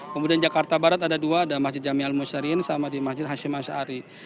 kemudian jakarta barat ada dua ada masjid jamil al musyariin sama di masjid hashim al shaari